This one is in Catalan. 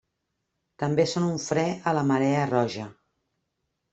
També són un fre a la marea roja.